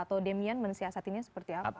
atau demian mensiasatinya seperti apa